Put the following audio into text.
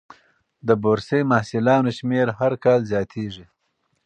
د بورسي محصلانو شمېر هر کال زیاتېږي.